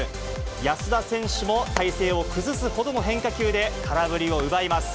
安田選手も体勢を崩すほどの変化球で、空振りを奪います。